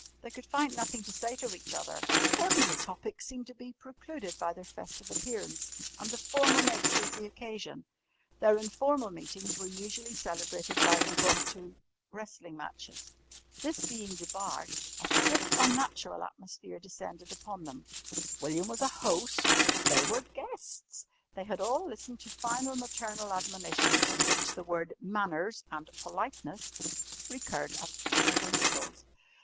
They could find nothing to say to each other. Ordinary topics seemed to be precluded by their festive appearance and the formal nature of the occasion. Their informal meetings were usually celebrated by impromptu wrestling matches. This being debarred, a stiff, unnatural atmosphere descended upon them. William was a "host," they were "guests"; they had all listened to final maternal admonitions in which the word "manners" and "politeness" recurred at frequent intervals.